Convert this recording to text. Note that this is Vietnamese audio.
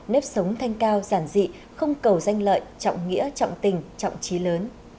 nếp sống thanh cao giản dị không cầu danh lợi trọng nghĩa trọng tình trọng trí lớn